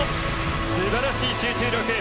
すばらしい集中力。